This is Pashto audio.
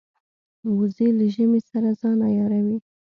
وزې له ژمې سره ځان عیاروي